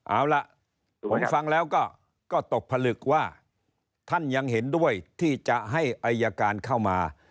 เอาล่ะผมฟังแล้วก็ตกผลึกว่าท่านยังเห็นด้วยที่จะให้อายการเข้ามา